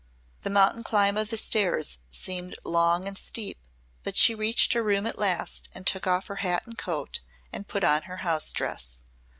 The mountain climb of the stairs seemed long and steep but she reached her room at last and took off her hat and coat and put on her house dress.